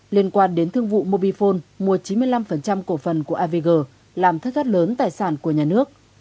liên quan đến thương vụ mobifone mua chín mươi năm cổ phần của avg làm thất thoát lớn tài sản của nhà nước